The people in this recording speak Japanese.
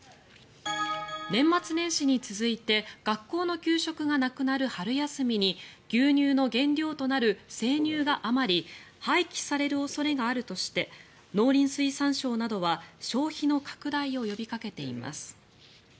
年末年始に続いて学校の給食がなくなる春休みに牛乳の原料となる生乳が余り廃棄される恐れがあるとして農林水産省などは消費の拡大を呼びかけています。